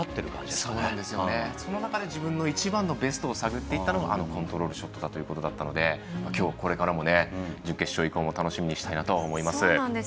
その中で自分のベストを探っていったのがあのコントロールショットだということなので今日これからも準決勝以降も楽しみにしたいと思います。